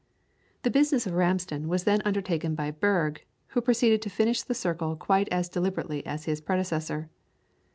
The business of Ramsden was then undertaken by Berge, who proceeded to finish the circle quite as deliberately as his predecessor.